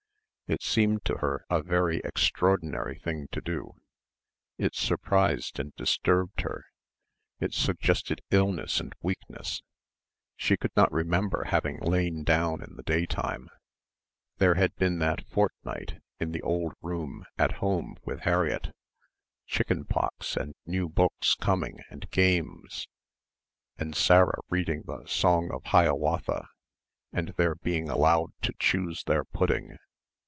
It seemed to her a very extraordinary thing to do. It surprised and disturbed her. It suggested illness and weakness. She could not remember having lain down in the day time. There had been that fortnight in the old room at home with Harriett ... chicken pox and new books coming and games, and Sarah reading the Song of Hiawatha and their being allowed to choose their pudding.